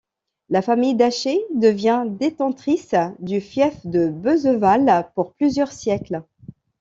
La famille d'Aché devient détentrice du fief de Beuzeval pour plusieurs siècles.